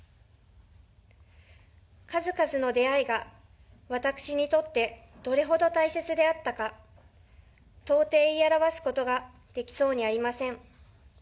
数々の出会いが私にとってどれほど大切であったか、到底言い表すことができそうにありません。